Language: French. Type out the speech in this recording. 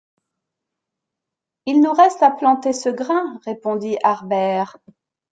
Il nous reste à planter ce grain, répondit Harbert.